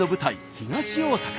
東大阪。